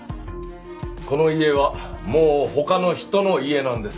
この家はもう他の人の家なんです。